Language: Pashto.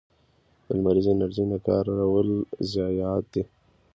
د لمریزې انرژۍ نه کارول ضایعات دي.